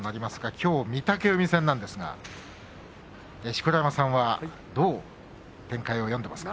きょう御嶽海戦なんですが錣山さんはどう展開を読んでいますか。